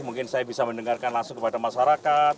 mungkin saya bisa mendengarkan langsung kepada masyarakat